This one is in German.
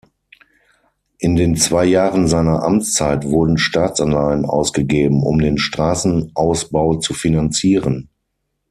In den zwei Jahren seiner Amtszeit wurden Staatsanleihen ausgegeben, um den Straßenausbau zu finanzieren.